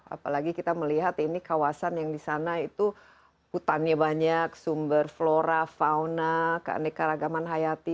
apalagi kita melihat ini kawasan yang di sana itu hutannya banyak sumber flora fauna keanekaragaman hayati